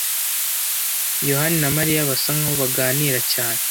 yohani na Mariya basa nkaho baganira cyane.